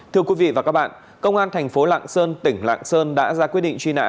thưa quý vị và các bạn công an thành phố lạng sơn tỉnh lạng sơn đã ra quyết định truy nã